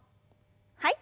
はい。